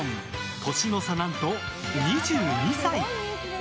年の差何と２２歳！